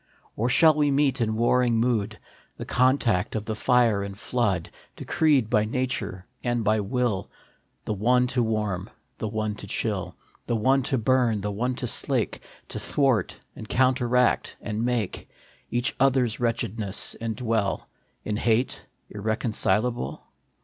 Or shall we meet in warring mood, The contact of the fire and flood, Decreed by Nature and by Will, The one to warm, the one to chill, The one to burn, the one to slake, To thwart and counteract and make Each other s wretchedness, and dwell In hate irreconcilable